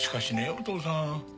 お父さん！